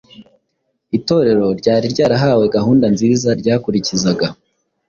Itorero ryari ryarahawe gahunda nziza ryakurikizaga